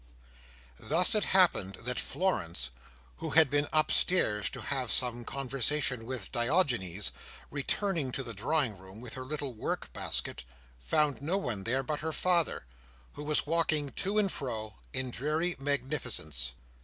Thus, it happened that Florence, who had been upstairs to have some conversation with Diogenes, returning to the drawing room with her little work basket, found no one there but her father, who was walking to and fro, in dreary magnificence.